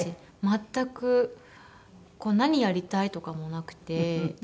全く何やりたいとかもなくて。